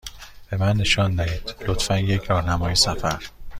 به من نشان دهید، لطفا، یک راهنمای سفر.